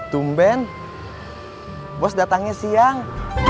tumben bos datangnya siang